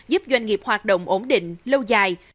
giúp doanh nghiệp hoạt động ổn định lâu dài